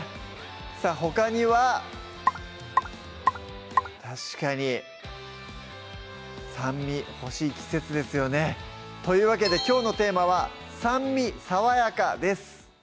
さぁほかには確かに酸味ほしい季節ですよねというわけできょうのテーマは「酸味爽やか」です